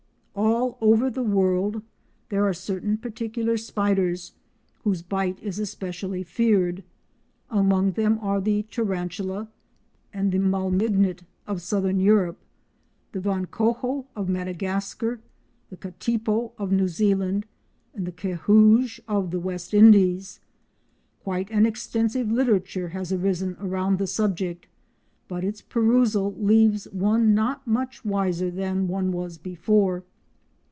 All over the world there are certain particular spiders whose bite is especially feared. Among them are the "Tarantula" and the "Malmignate" of southern Europe, the "Vancoho" of Madagascar, the "Katipo" of New Zealand, and the "Queue rouge" of the West Indies. Quite an extensive literature has arisen around the subject but its perusal leaves one not much wiser than one was before.